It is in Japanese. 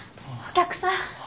お客さん。